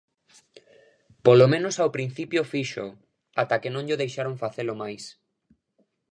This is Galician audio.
Polo menos ao principio fíxoo, ata que non llo deixaron facelo máis.